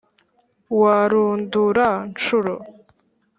wa rundura-ncuro,